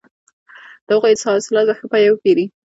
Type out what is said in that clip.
د هغوی حاصلات په ښه بیه وپېرئ.